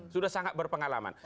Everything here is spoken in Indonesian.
sudah sangat berpengalaman